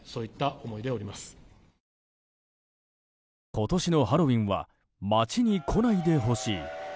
今年のハロウィーンは街に来ないでほしい。